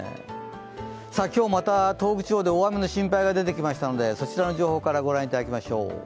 今日また東北地方で大雨の心配が出てきましたので、そちらの情報からご覧いただきましょう。